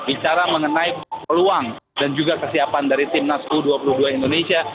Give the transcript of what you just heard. bicara mengenai peluang dan juga kesiapan dari timnas u dua puluh dua indonesia